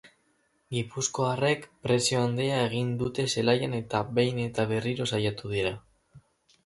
Gipuzkoarrek presio handia egin dute zelaian eta behin eta berriro saiatu dira.